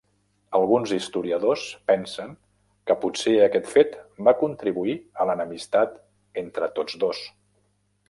Alguns historiadors pensen que potser aquest fet va contribuir a l'enemistat entre tots dos.